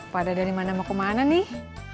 pada dari mana mau kemana nih